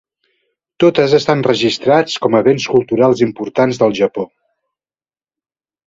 Totes estan registrats com a Béns Culturals Importants del Japó.